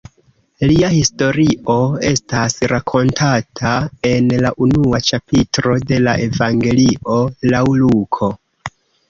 Lia historio estas rakontata en la unua ĉapitro de la Evangelio laŭ Luko.